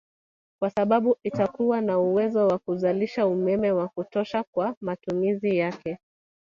Kwa sababu itakuwa na uwezo wa kuzalisha umeme wa kutosha kwa matumizi yake